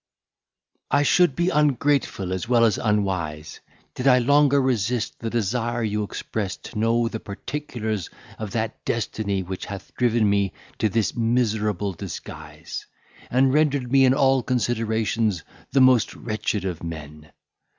I should be ungrateful, as well as unwise, did I longer resist the desire you express to know the particulars of that destiny which hath driven me to this miserable disguise, and rendered me in all considerations the most wretched of men.